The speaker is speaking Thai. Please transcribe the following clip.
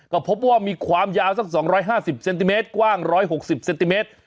ก็พบว่ามีความยาวสัก๒๕๐เซนติเมตรกว้าง๑๖๐เซนติเมตร